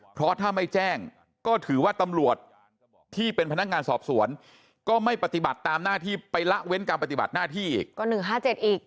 เพราะถ้าไม่แจ้งก็ถือว่าตำรวจที่เป็นพนักงานสอบสวนก็ไม่ปฏิบัติตามหน้าที่ไปละเว้นการปฏิบัติหน้าที่อีกก็๑๕๗อีก